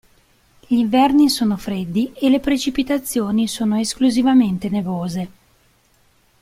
Gli inverni sono freddi e le precipitazioni sono esclusivamente nevose.